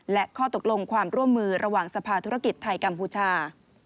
และข้อตกลงความร่วมมือระหว่างสภาธุรกิจไทยกัมพูชา